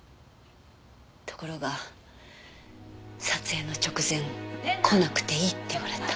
ところが撮影の直前来なくていいって言われた。